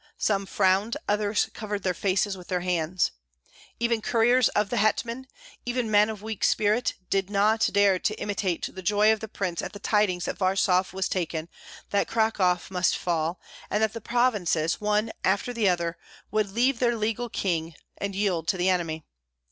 Some frowned; others covered their faces with their hands. Even courtiers of the hetman, even men of weak spirit, did not dare to imitate the joy of the prince at the tidings that Warsaw was taken, that Cracow must fall, and that the provinces, one after the other, would leave their legal king and yield to the enemy.